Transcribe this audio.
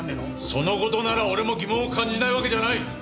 その事なら俺も疑問を感じないわけじゃない！